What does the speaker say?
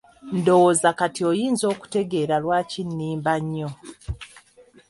Ndowooza kati oyinza okutegeera lwaki nnimba nnyo.